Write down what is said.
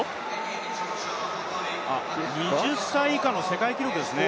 ２０歳以下の世界記録ですね。